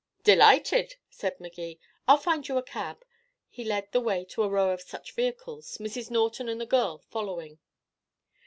"Delighted," said Magee. "I'll find you a cab." He led the way to a row of such vehicles, Mrs. Norton and the girl following.